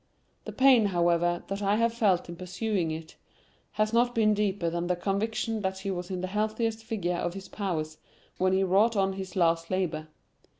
The pain, however, that I have felt in perusing it, has not been deeper than the conviction that he was in the healthiest vigour of his powers when he wrought on this last labour.